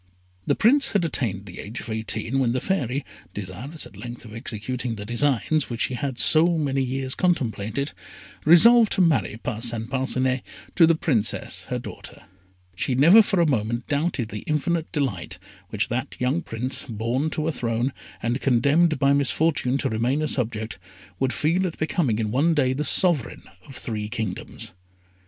The Prince had attained the age of eighteen, when the Fairy, desirous at length of executing the designs which she had so many years contemplated, resolved to marry Parcin Parcinet to the Princess, her daughter. She never for a moment doubted the infinite delight which that young Prince, born to a throne, and condemned by misfortune to remain a subject, would feel at becoming in one day the sovereign of three kingdoms.